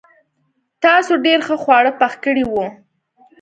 تاسو ډېر ښه خواړه پخ کړي وو.